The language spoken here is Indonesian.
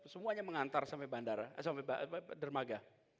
semuanya mengantar sampai dermaga